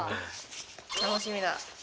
楽しみだ。